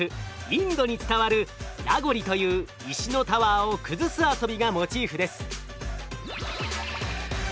インドに伝わる「ラゴリ」という石のタワーを崩す遊びがモチーフです。